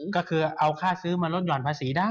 ก็คือเอาค่าซื้อมาลดห่อนภาษีได้